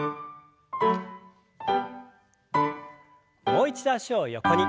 もう一度脚を横に。